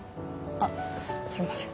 あっすいません。